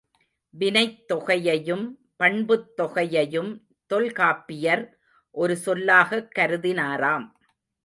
வினைத்தொகையையும் பண்புத்தொகையையும் தொல்காப்பியர் ஒரு சொல்லாகக் கருதினாராம்.